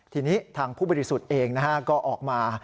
ทีนี้ทางผู้บริสุทธิ์เองก็ออกมา